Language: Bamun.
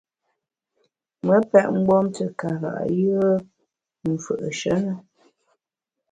Me pèt mgbom te kara’ yùe m’ fù’she ne.